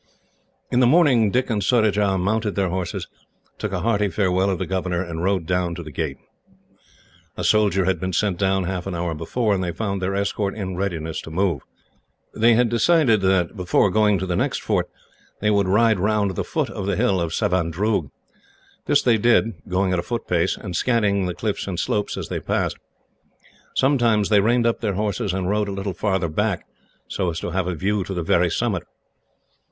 In the morning Dick and Surajah mounted their horses, took a hearty farewell of the governor, and rode down to the gate. A soldier had been sent down, half an hour before, and they found their escort in readiness to move. They had decided that, before going to the next fort, they would ride round the foot of the hill of Savandroog. This they did, going at a foot pace, and scanning the cliffs and slopes as they passed. Sometimes they reined up their horses and rode a little farther back, so as to have a view to the very summit.